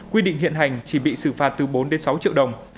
quy định hiện hành chỉ bị xử phạt từ bốn đến sáu triệu đồng